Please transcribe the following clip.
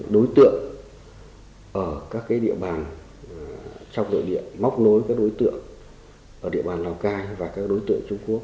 đối tượng ở các địa bàn trong đội địa móc nối các đối tượng ở địa bàn lào cai và các đối tượng trung quốc